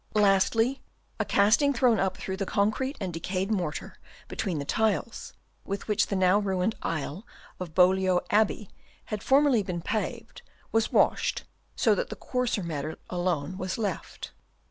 Lastly, a casting thrown up through the concrete and decayed mortar between the tiles, with which the now ruined aisle of Beaulieu Abbey had formerly been paved, was washed, so that the coarser matter alone was left.